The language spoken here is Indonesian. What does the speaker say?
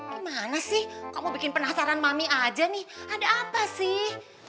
gimana sih kamu bikin penasaran mami aja nih ada apa sih